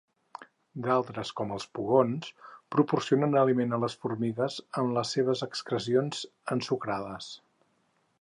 D'altres com els pugons proporcionen aliment a les formigues amb les seves excrecions ensucrades.